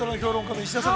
石田さん